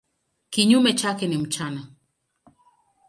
Kinyume chake ni mchana.